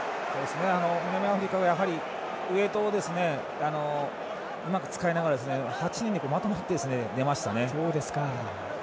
南アフリカは、やはりウエイトをうまく使いながら８人でまとまって出ましたね。